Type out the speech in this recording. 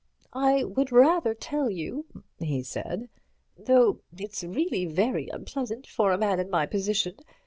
"I would rather tell you," he said, "though it's reelly very unpleasant for a man in my position.